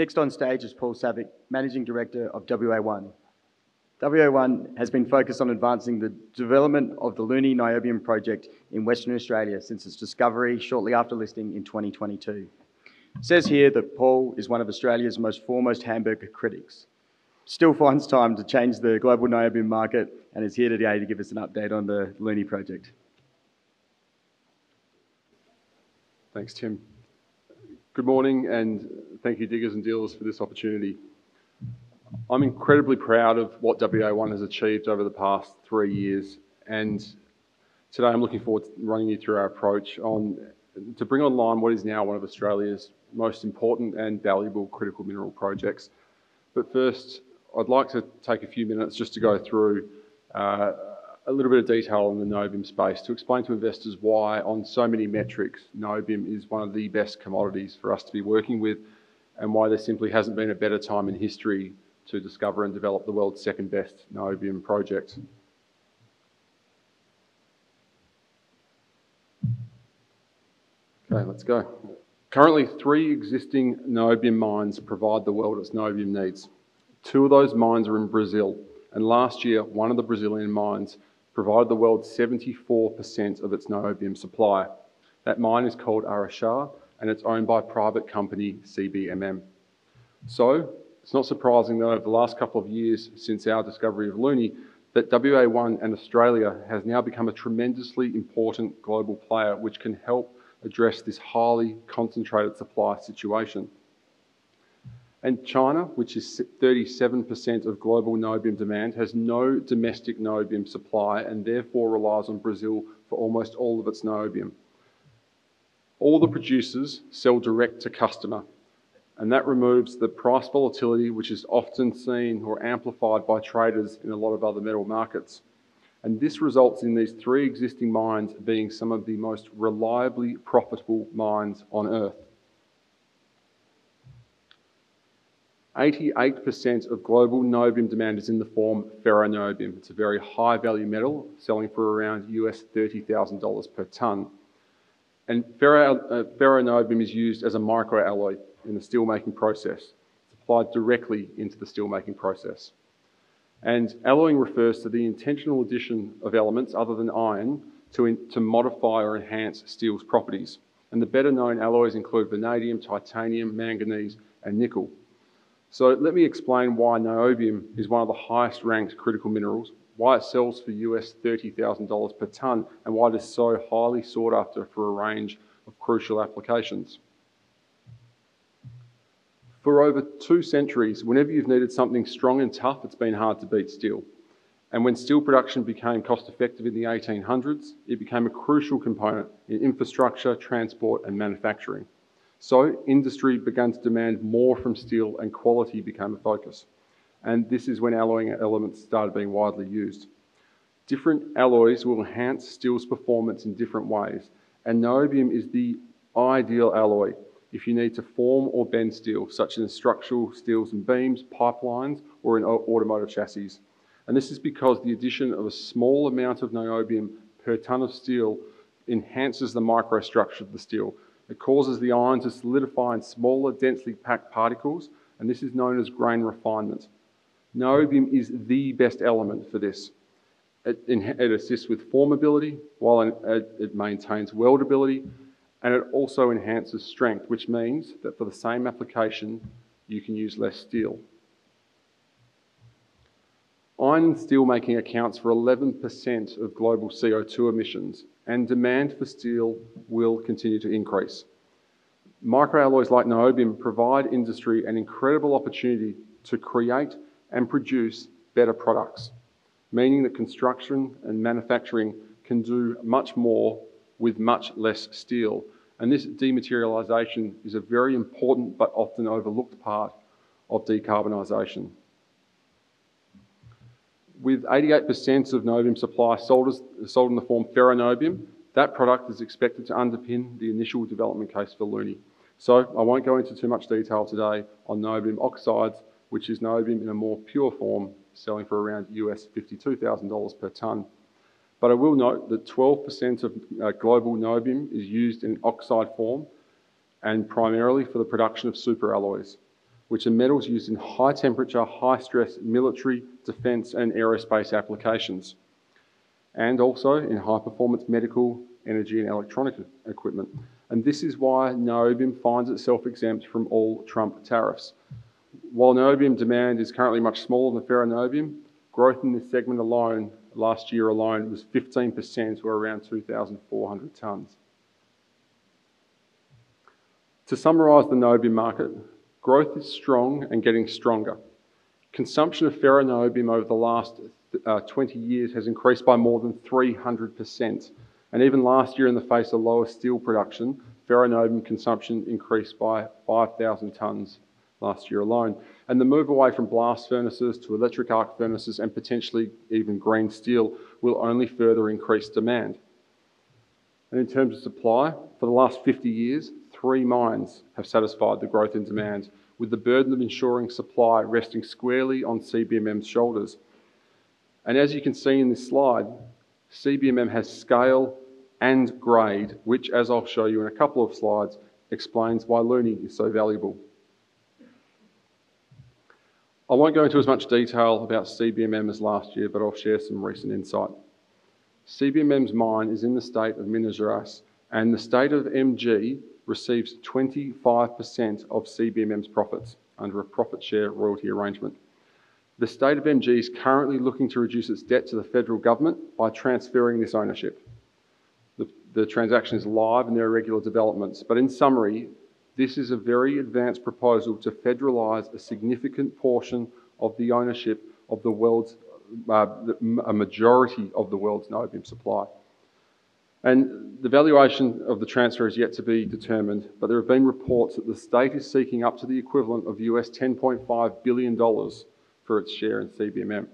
Next on stage is Paul Savich, Managing Director of WA1. WA1 has been focused on advancing the development of the LUNI Niobium Project in Western Australia since its discovery shortly after listing in 2022. It says here that Paul is one of Australia's most foremost hamburger critics. He still finds time to change the global niobium market and is here today to give us an update on the LUNI project. Thanks, Tim. Good morning and thank you, diggers and dealers, for this opportunity. I'm incredibly proud of what WA1 has achieved over the past three years, and today I'm looking forward to running you through our approach to bring online what is now one of Australia's most important and valuable critical mineral projects. First, I'd like to take a few minutes just to go through a little bit of detail on the niobium space to explain to investors why, on so many metrics, niobium is one of the best commodities for us to be working with and why there simply hasn't been a better time in history to discover and develop the world's second best niobium project. Okay, let's go. Currently, three existing niobium mines provide the world's niobium needs. Two of those mines are in Brazil, and last year, one of the Brazilian mines provided the world 74% of its niobium supply. That mine is called Araxá, and it's owned by private company CBMM. It's not surprising that over the last couple of years since our discovery of LUNI, WA1 and Australia have now become a tremendously important global player, which can help address this highly concentrated supply situation. China, which is 37% of global niobium demand, has no domestic niobium supply and therefore relies on Brazil for almost all of its niobium. All the producers sell direct to customer, and that removes the price volatility, which is often seen or amplified by traders in a lot of other metal markets. This results in these three existing mines being some of the most reliably profitable mines on Earth. 88% of global niobium demand is in the form of ferroniobium. It's a very high-value metal, selling for around $30,000 per ton. Ferroniobium is used as a microalloy in the steelmaking process, supplied directly into the steelmaking process. Alloying refers to the intentional addition of elements other than iron to modify or enhance steel's properties. The better-known alloys include vanadium, titanium, manganese, and nickel. Let me explain why niobium is one of the highest-ranked critical minerals, why it sells for $30,000 per ton, and why it is so highly sought after for a range of crucial applications. For over two centuries, whenever you've needed something strong and tough, it's been hard to beat steel. When steel production became cost-effective in the 1800s, it became a crucial component in infrastructure, transport, and manufacturing. Industry began to demand more from steel, and quality became a focus. This is when alloying elements started being widely used. Different alloys will enhance steel's performance in different ways, and niobium is the ideal alloy if you need to form or bend steel, such as in structural steels and beams, pipelines, or in automotive chassis. This is because the addition of a small amount of niobium per ton of steel enhances the microstructure of the steel. It causes the iron to solidify in smaller, densely packed particles, and this is known as grain refinement. Niobium is the best element for this. It assists with formability while it maintains weldability, and it also enhances strength, which means that for the same application, you can use less steel. Iron steelmaking accounts for 11% of global CO2 emissions, and demand for steel will continue to increase. Microalloys like niobium provide industry an incredible opportunity to create and produce better products, meaning that construction and manufacturing can do much more with much less steel. This dematerialization is a very important but often overlooked part of decarbonization. With 88% of niobium supply sold in the form of ferroniobium, that product is expected to underpin the initial development case for LUNI. I won't go into too much detail today on niobium oxide, which is niobium in a more pure form, selling for around $52,000 per ton. I will note that 12% of global niobium is used in oxide form and primarily for the production of superalloys, which are metals used in high-temperature, high-stress military, defense, and aerospace applications, and also in high-performance medical, energy, and electronic equipment. This is why niobium finds itself exempt from all Trump tariffs. While niobium demand is currently much smaller than ferroniobium, growth in this segment alone last year was 15%, or around 2,400 tons. To summarize the niobium market, growth is strong and getting stronger. Consumption of ferroniobium over the last 20 years has increased by more than 300%. Even last year, in the face of lower steel production, ferroniobium consumption increased by 5,000 tons last year. The move away from blast furnaces to electric arc furnaces and potentially even grain steel will only further increase demand. In terms of supply, for the last 50 years, three mines have satisfied the growth in demand, with the burden of ensuring supply resting squarely on CBMM's shoulders. As you can see in this slide, CBMM has scale and grade, which, as I'll show you in a couple of slides, explains why LUNI is so valuable. I won't go into as much detail about CBMM as last year, but I'll share some recent insight. CBMM's mine is in the state of Minas Gerais, and the state of MG receives 25% of CBMM's profits under a profit-share royalty arrangement. The state of MG is currently looking to reduce its debt to the federal government by transferring this ownership. The transaction is live in their regular developments. In summary, this is a very advanced proposal to federalize a significant portion of the ownership of the majority of the world's niobium supply. The valuation of the transfer is yet to be determined, but there have been reports that the state is seeking up to the equivalent of $10.5 billion for its share in CBMM.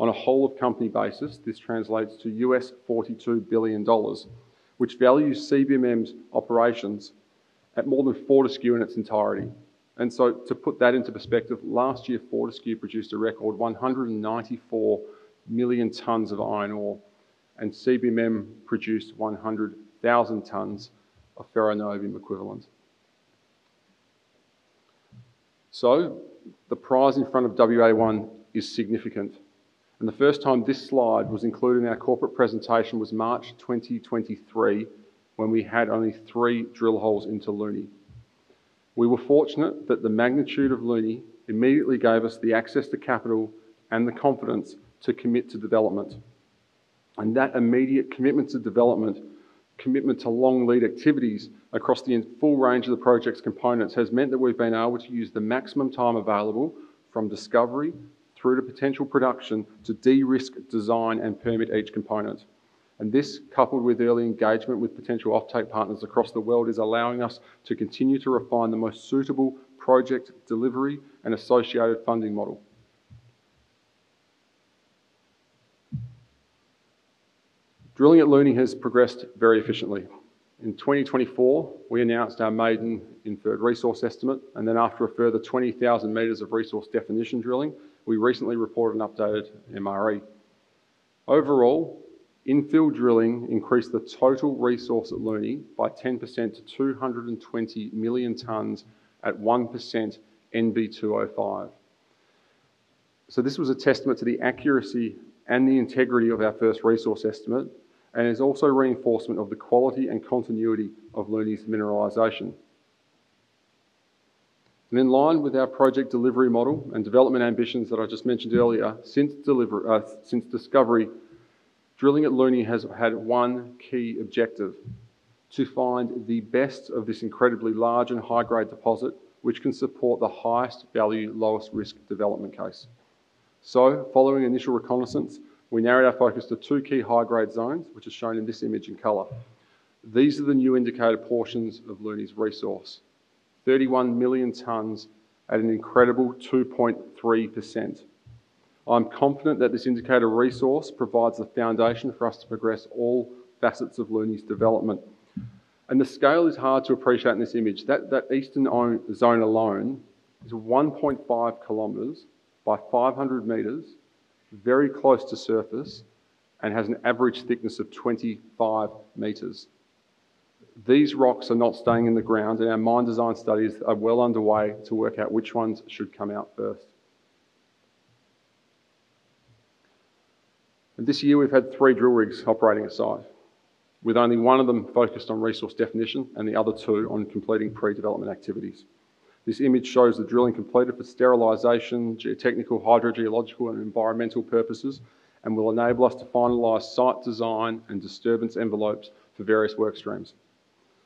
On a whole-of-company basis, this translates to $42 billion, which values CBMM's operations at more than Fortescue in its entirety. To put that into perspective, last year, Fortescue produced a record 194 million tons of iron ore, and CBMM produced 100,000 tons of ferroniobium equivalent. The prize in front of WA1 is significant. The first time this slide was included in our corporate presentation was March 2023, when we had only three drill holes into LUNI. We were fortunate that the magnitude of LUNI immediately gave us the access to capital and the confidence to commit to development. That immediate commitment to development, commitment to long-lead activities across the full range of the project's components, has meant that we've been able to use the maximum time available from discovery through to potential production to de-risk design and permit each component. This, coupled with early engagement with potential offtake partners across the world, is allowing us to continue to refine the most suitable project delivery and associated funding model. Drilling at LUNI has progressed very efficiently. In 2024, we announced our maiden inferred resource estimate, and then after a further 20,000 m of resource definition drilling, we recently reported an updated MRE. Overall, infill drilling increased the total resource at LUNI by 10% to 220 million tons at 1% Nb2O5. This was a testament to the accuracy and the integrity of our first resource estimate, and it is also a reinforcement of the quality and continuity of LUNI's mineralization. In line with our project delivery model and development ambitions that I just mentioned earlier, since discovery, drilling at LUNI has had one key objective: to find the best of this incredibly large and high-grade deposit, which can support the highest value, lowest risk development case. Following initial reconnaissance, we narrowed our focus to two key high-grade zones, which are shown in this image in color. These are the new indicated portions of LUNI's resource: 31 million tons at an incredible 2.3%. I'm confident that this indicated resource provides the foundation for us to progress all facets of LUNI's development. The scale is hard to appreciate in this image. That eastern zone alone is 1.5 km x 500 m, very close to surface, and has an average thickness of 25 m. These rocks are not staying in the ground, and our mine design studies are well underway to work out which ones should come out first. This year, we've had three drill rigs operating at site, with only one of them focused on resource definition and the other two on completing pre-development activities. This image shows the drilling completed for sterilization, geotechnical, hydrogeological, and environmental purposes, and will enable us to finalize site design and disturbance envelopes for various work streams.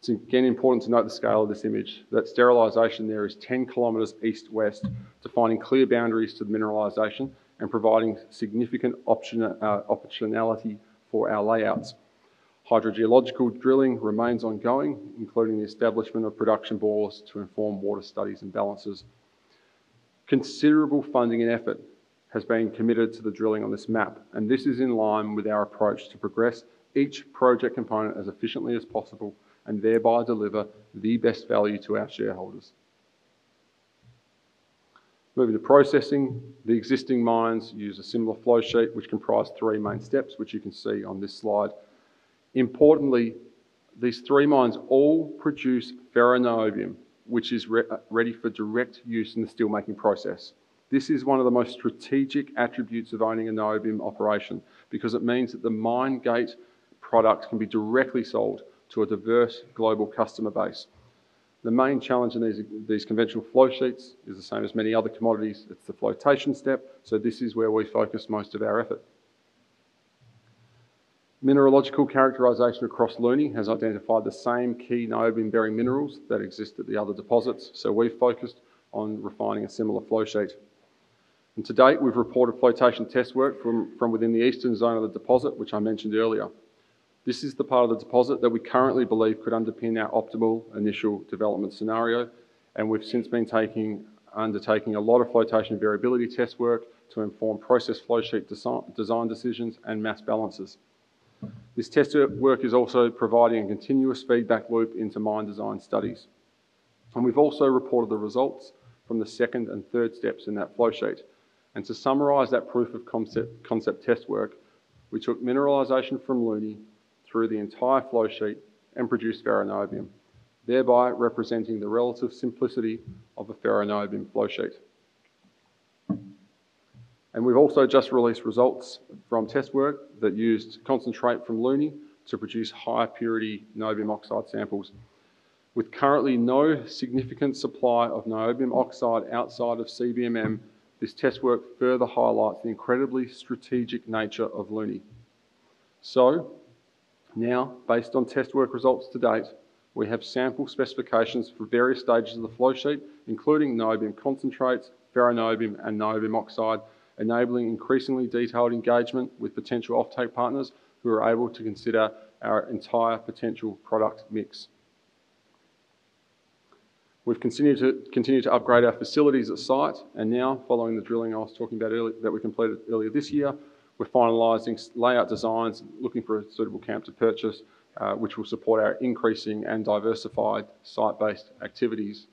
It's again important to note the scale of this image, that sterilization there is 10 km east-west, defining clear boundaries to the mineralization and providing significant opportunity for our layouts. Hydrogeological drilling remains ongoing, including the establishment of production bores to inform water studies and balances. Considerable funding and effort has been committed to the drilling on this map, and this is in line with our approach to progress each project component as efficiently as possible and thereby deliver the best value to our shareholders. Moving to processing, the existing mines use a similar process flow sheet, which comprises three main steps, which you can see on this slide. Importantly, these three mines all produce ferroniobium, which is ready for direct use in the steelmaking process. This is one of the most strategic attributes of owning a niobium operation because it means that the mine gate products can be directly sold to a diverse global customer base. The main challenge in these conventional flow sheets is the same as many other commodities. It's the flotation step, so this is where we focus most of our effort. Mineralogical characterization across LUNI has identified the same key niobium-bearing minerals that exist at the other deposits, so we've focused on refining a similar flow sheet. To date, we've reported flotation test work from within the eastern zone of the deposit, which I mentioned earlier. This is the part of the deposit that we currently believe could underpin our optimal initial development scenario, and we've since been undertaking a lot of flotation variability test work to inform process flow sheet design decisions and mass balances. This test work is also providing a continuous feedback loop into mine design studies. We've also reported the results from the second and third steps in that flow sheet. To summarize that proof of concept test work, we took mineralization from LUNI through the entire flow sheet and produced ferroniobium, thereby representing the relative simplicity of a ferroniobium flow sheet. We've also just released results from test work that used concentrate from LUNI to produce high-purity niobium oxide samples. With currently no significant supply of niobium oxide outside of CBMM, this test work further highlights the incredibly strategic nature of LUNI. Now, based on test work results to date, we have sample specifications for various stages of the flow sheet, including niobium concentrates, ferroniobium, and niobium oxide, enabling increasingly detailed engagement with potential offtake partners who are able to consider our entire potential product mix. We've continued to upgrade our facilities at site, and now, following the drilling I was talking about that we completed earlier this year, we're finalizing layout designs, looking for a suitable camp to purchase, which will support our increasing and diversified site-based activities.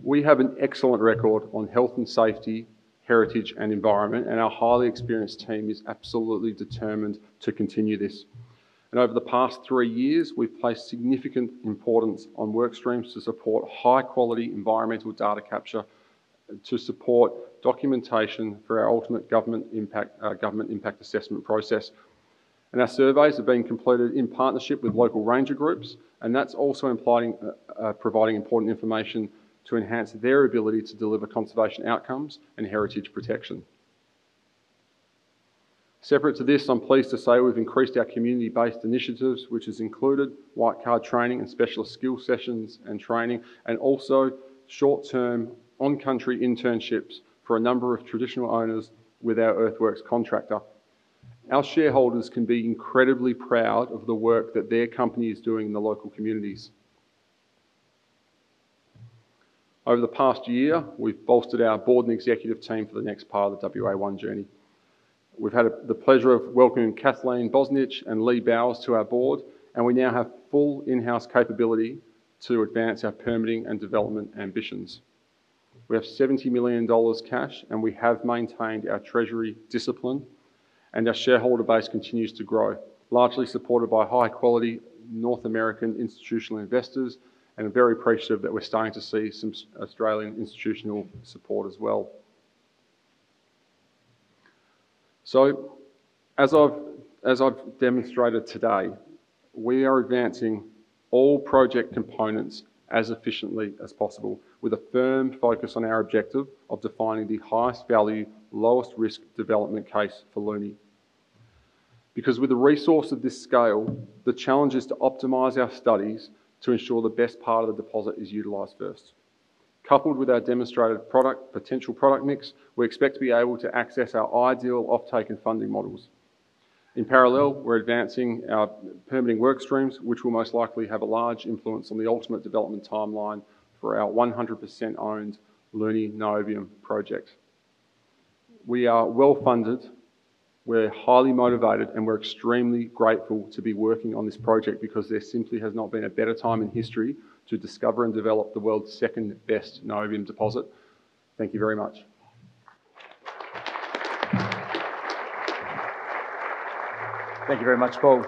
We have an excellent record on health and safety, heritage, and environment, and our highly experienced team is absolutely determined to continue this. Over the past three years, we've placed significant importance on work streams to support high-quality environmental data capture, to support documentation for our ultimate government impact assessment process. Our surveys have been completed in partnership with local ranger groups, and that's also providing important information to enhance their ability to deliver conservation outcomes and heritage protection. Separate to this, I'm pleased to say we've increased our community-based initiatives, which has included white card training and specialist skill sessions and training, and also short-term on-country internships for a number of traditional owners with our earthworks contractor. Our shareholders can be incredibly proud of the work that their company is doing in the local communities. Over the past year, we've bolstered our board and executive team for the next part of the WA1 journey. We've had the pleasure of welcoming Kathleen Bozanic and Lee Bowers to our board, and we now have full in-house capability to advance our permitting and development ambitions. We have 70 million dollars cash, and we have maintained our treasury discipline, and our shareholder base continues to grow, largely supported by high-quality North American institutional investors. I'm very appreciative that we're starting to see some Australian institutional support as well. As I've demonstrated today, we are advancing all project components as efficiently as possible, with a firm focus on our objective of defining the highest value, lowest risk development case for LUNI. With a resource of this scale, the challenge is to optimize our studies to ensure the best part of the deposit is utilized first. Coupled with our demonstrated product potential product mix, we expect to be able to access our ideal offtake and funding models. In parallel, we're advancing our permitting work streams, which will most likely have a large influence on the ultimate development timeline for our 100% owned LUNI Niobium Project. We are well funded, we're highly motivated, and we're extremely grateful to be working on this project because there simply has not been a better time in history to discover and develop the world's second best niobium deposit. Thank you very much. Thank you very much, Paul.